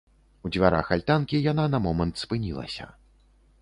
У дзвярах альтанкі яна на момант спынілася.